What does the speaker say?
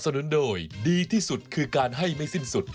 นุนโดยดีที่สุดคือการให้ไม่สิ้นสุด